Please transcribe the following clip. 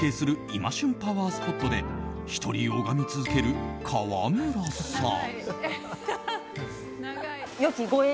今旬パワースポットで１人拝み続ける川村さん。